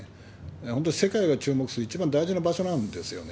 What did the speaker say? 本当世界が注目する一番大事な場所なんですよね。